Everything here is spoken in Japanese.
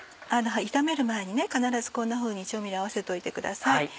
炒める前に必ずこんなふうに調味料合わせといてください。